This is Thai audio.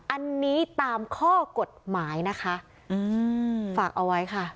อันนี้ตามข้อกฎหมายนะคะอืมฝากเอาไว้ค่ะ